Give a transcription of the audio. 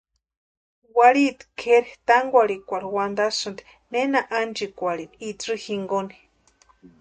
Warhiti kʼeri tánkwarhikwarhu wantasïnti nena ánchikwarhini itsï jinkoni.